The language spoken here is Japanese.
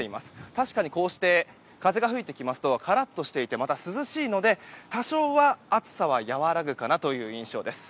確かに風が吹いてきますとカラッとして、涼しいので多少は暑さは和らぐかなという印象です。